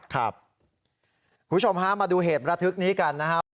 คุณผู้ชมฮะมาดูเหตุระทึกนี้กันนะครับ